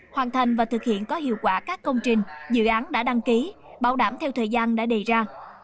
hoàn thành và thực hiện có hiệu quả các công trình dự án đã đăng ký bảo đảm theo thời gian đã đề ra